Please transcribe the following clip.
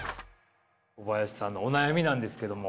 小林さんのお悩みなんですけども。